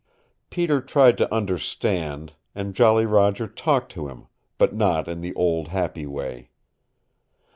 Peter tried to understand, and Jolly Roger talked to him, but not in the old happy way.